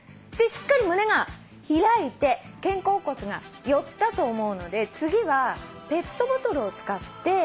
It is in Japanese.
しっかり胸が開いて肩甲骨が寄ったと思うので次はペットボトルを使って。